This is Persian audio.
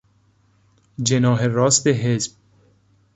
جناح راست حزب